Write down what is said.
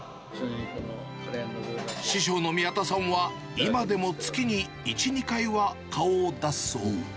師匠の宮田さんは、今でも月に１、２回は顔を出すそう。